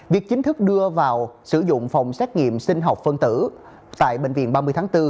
việc chính thức đưa vào sử dụng phòng xét nghiệm sinh học phân tử tại bệnh viện ba mươi tháng bốn